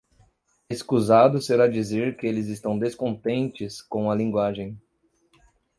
Escusado será dizer que eles estão descontentes com a linguagem.